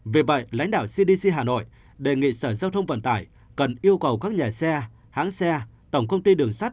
vì vậy lãnh đạo cdc hà nội đề nghị sở giao thông vận tải cần yêu cầu các nhà xe hãng xe tổng công ty đường sắt